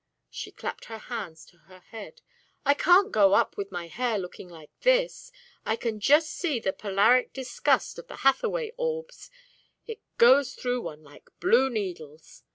She clapped her hands to her head. "I can't go up with my hair looking like this. I can just see the polaric disgust of the Hathaway orbs; it goes through one like blue needles.